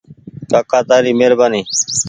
ڪآڪآ تآري مهربآني۔